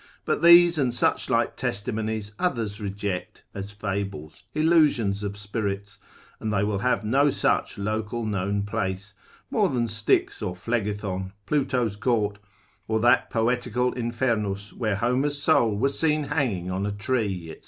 But these and such like testimonies others reject, as fables, illusions of spirits, and they will have no such local known place, more than Styx or Phlegethon, Pluto's court, or that poetical Infernus, where Homer's soul was seen hanging on a tree, &c.